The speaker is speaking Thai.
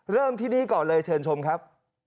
เริ่มที่นี่ก่อนเลยเชิญชมครับ